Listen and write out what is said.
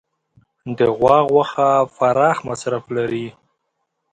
د غوا غوښه پراخ مصرف لري.